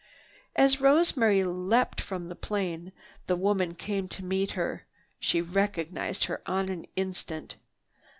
As Rosemary leaped from the plane, the woman came to meet her. She recognized her on the instant.